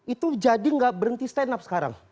itu jadi nggak berhenti stand up sekarang